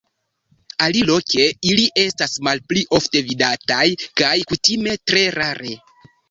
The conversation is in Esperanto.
Aliloke ili estas malpli ofte vidataj kaj kutime tre rare.